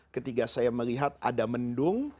ketika saya melihat ada mendung